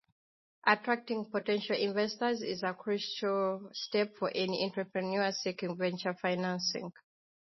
Attracting potential investors is a crucial step for any entrepreneur seeking venture financing.